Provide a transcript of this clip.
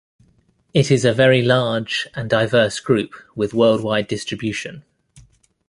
It is a very large and diverse group with worldwide distribution.